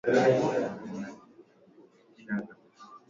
Pwani ya Jambani ni maarufu sana kwa wenyeji na watalii